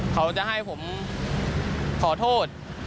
เขาจะให้ผมขอโทษ